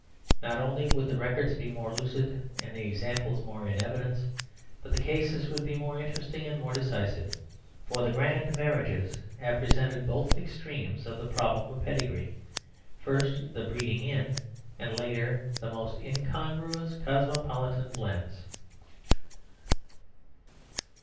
Not only would the records be more lucid, and the examples more in evidence, but the cases would be more interesting and more decisive. For the grand marriages have presented both extremes of the problem of pedigree first the "breeding in and in," and later the most incongruous cosmopolitan blends.